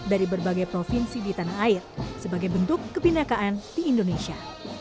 dari berbagai provinsi di tanah air sebagai bentuk kebinekaan di indonesia